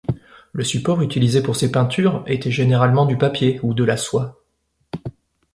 Le support utilisé pour ces peintures était généralement du papier, ou de la soie.